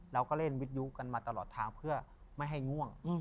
เราก็เล่นวิทยุกันมาตลอดทางเพื่อไม่ให้ง่วง